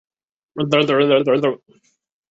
短刺筐形蟹为馒头蟹科筐形蟹属的动物。